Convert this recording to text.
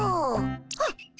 あっ！